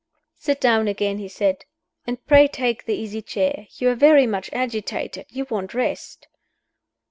"Sit down again," he said; "and pray take the easy chair. You are very much agitated; you want rest."